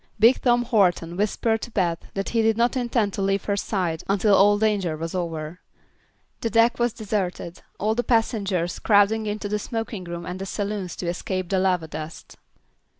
Big Tom Horton whispered to Beth that he did not intend to leave her side until all danger was over. The deck was deserted, all the passengers crowding into the smoking room and saloons to escape the lava dust.